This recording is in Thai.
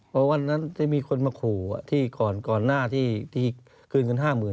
เพราะวันนั้นที่มีคนมาขู่ที่ก่อนหน้าที่คืนเงิน๕๐๐๐